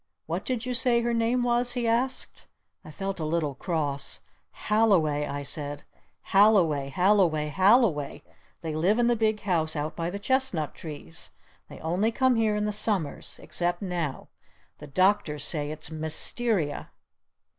"What did you say her name was?" he asked. I felt a little cross. "Halliway!" I said. "Halliway Halliway Halliway! They live in the big house out by the Chestnut Trees! They only come here in the Summers! Except now! The Doctors say it's Mysteria!"